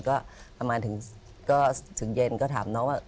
ก็ถึงเย็นก็ถามน้องว่า